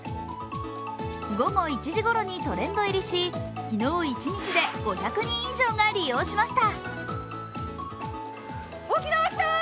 午後１時ごろにトレンド入りし、昨日一日で５００人以上が利用しました。